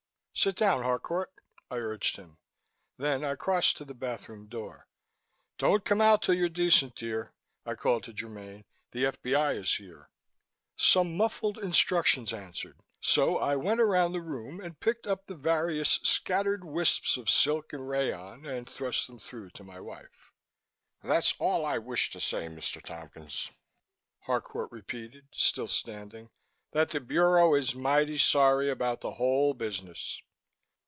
"Sit down, Harcourt," I urged him. Then I crossed to the bathroom door. "Don't come out until you're decent, dear," I called to Germaine. "The F.B.I. is here." Some muffled instructions answered, so I went around the room and picked up the various scattered wisps of silk and rayon, and thrust them through to my wife. "That's all I was to say, Mr. Tompkins," Harcourt repeated, still standing, "that the Bureau is mighty sorry about the whole business."